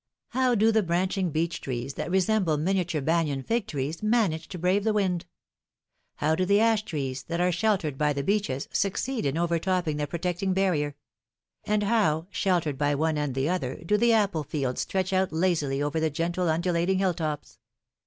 How do the branching beech trees, that resem ble miniature Banian fig trees, manage to brave the wind? how do the ash trees, that are sheltered by the beeches, 70 philomIine's marriages. succeed in overtopping their protecting barrier? and how, sheltered by one and the other, do the apple fields stretch out lazily over the gently undulating hill tops?